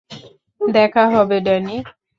দেখা হবে, ড্যানি।